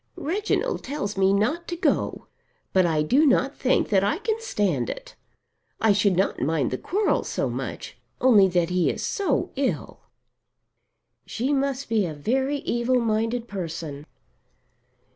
"Reginald tells me not to go, but I do not think that I can stand it. I should not mind the quarrel so much, only that he is so ill." "She must be a very evil minded person."